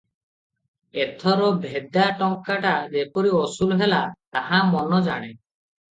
ଏଥର ଭେଦା ଟଙ୍କାଟା ଯେପରି ଅସୁଲ ହେଲା, ତାହା ମନ ଜାଣେ ।